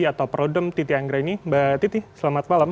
atau prodem titi anggra ini mbak titi selamat malam